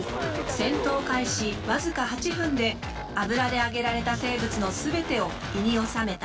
戦闘開始僅か８分で油で揚げられた生物の全てを胃に収めた。